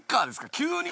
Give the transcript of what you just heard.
急に？